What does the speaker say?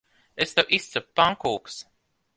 Es tev izcepu pankūkas.